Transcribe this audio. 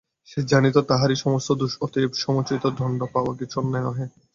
সে জানিত তাহারি সমস্ত দোষ, অতএব সমুচিত দণ্ড পাওয়া কিছু অন্যায় নহে।